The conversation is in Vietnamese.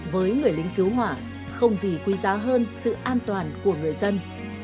với người lính cứu hỏa không gì quý giá hơn sự an toàn của người dân